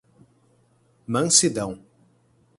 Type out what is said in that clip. Mansidão